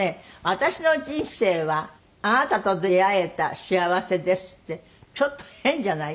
「私の人生はあなたと出会えた幸せです」ってちょっと変じゃない？